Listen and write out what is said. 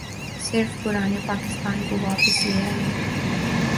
صرف پرانے پاکستان کو واپس لے آئیے۔